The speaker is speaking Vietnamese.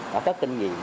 và các kinh nghiệm